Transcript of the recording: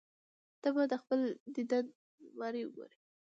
ته به د خپل دیدن بیماران وګورې.